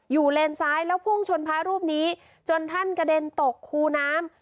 เลนซ้ายแล้วพุ่งชนพระรูปนี้จนท่านกระเด็นตกคูน้ำ